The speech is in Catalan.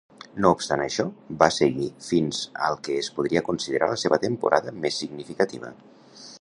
No obstant això, va seguir fins al que es podria considerar la seva temporada més significativa.